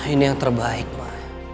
ini yang terbaik ma